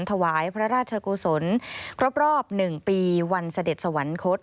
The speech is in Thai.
ถวายพระราชกุศลครบรอบ๑ปีวันเสด็จสวรรคต